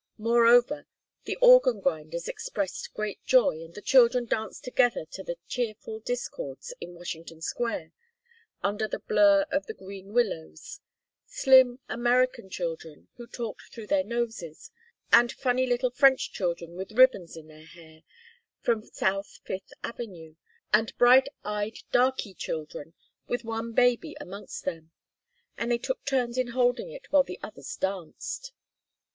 Moreover the organ grinders expressed great joy, and the children danced together to the cheerful discords, in Washington Square, under the blur of the green willows slim American children, who talked through their noses, and funny little French children with ribbons in their hair, from South Fifth Avenue, and bright eyed darkey children with one baby amongst them. And they took turns in holding it while the others danced.